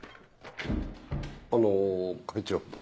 あの会長